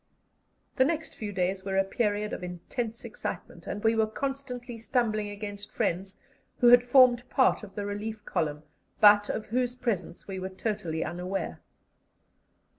The next few days were a period of intense excitement, and we were constantly stumbling against friends who had formed part of the relief column, but of whose presence we were totally unaware.